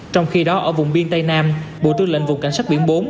trong khi đó ở vùng biên tây nam bộ tư lệnh vùng cảnh sát biển bốn